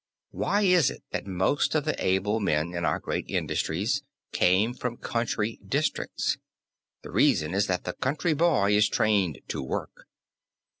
Why is it that most of the able men in our great industries came from the country districts? The reason is that the country boy is trained to work.